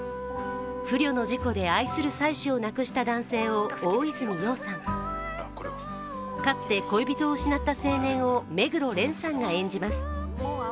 不慮の事故で愛する妻子を亡くした男性を大泉洋さん、かつて恋人を失った青年を目黒蓮さんが演じます。